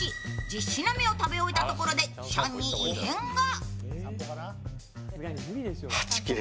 １０品目を食べ終えたところでチャンに異変が。